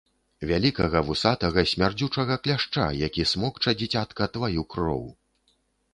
Вялікага вусатага смярдзючага кляшча, які смокча, дзіцятка, тваю кроў.